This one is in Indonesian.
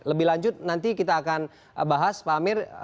lebih lanjut nanti kita akan bahas pak amir